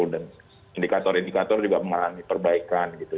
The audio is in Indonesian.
dan indikator indikator juga mengalami perbaikan gitu